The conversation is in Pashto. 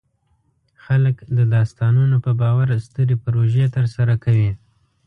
خلک د داستانونو په باور سترې پروژې ترسره کوي.